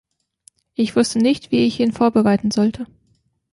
Ich wusste nicht, wie ich ihn vorbereiten sollte.